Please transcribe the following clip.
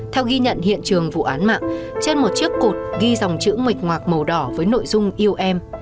theo ghi nhận hiện trường vụ án mạng trên một chiếc cột ghi dòng chữ mệt ngoạc màu đỏ với nội dung yêu em